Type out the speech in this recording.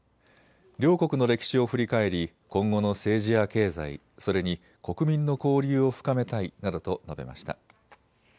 両国の歴史を振り返り今後の政治や経済、それに国民の交流を深めたいなどと述べました。